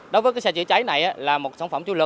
đối với xe chữa chảy này là một sản phẩm